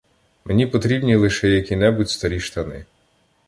Мені потрібні лише які-небудь старі штани.